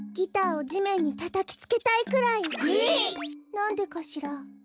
なんでかしら？